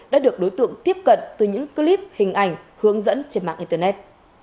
đã được đối tượng tiếp cận từ những clip hình ảnh hướng dẫn trên mạng internet